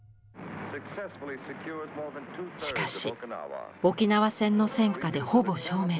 しかし沖縄戦の戦禍でほぼ消滅。